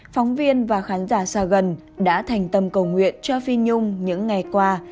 phóng viên và khán giả xa gần đã thành tâm cầu nguyện cho phi nhung những ngày qua